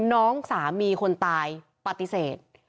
น้องสามีคนตายปฏิเสธ